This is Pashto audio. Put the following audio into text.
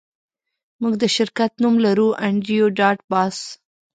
موږ د شرکت نوم لرو انډریو ډاټ باس